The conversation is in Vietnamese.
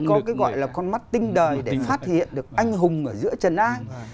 có cái gọi là con mắt tinh đời để phát hiện được anh hùng ở giữa trần an